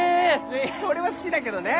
俺は好きだけどね。